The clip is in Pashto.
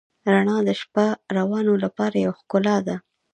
رڼا د شپهروانو لپاره یوه ښکلا ده.